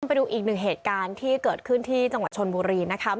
ไปดูอีกหนึ่งเหตุการณ์ที่เกิดขึ้นที่จังหวัดชนบุรีนะคะ